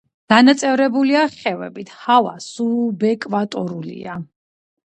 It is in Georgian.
დანაწევრებულია ხევებით, ჰავა სუბეკვატორულია.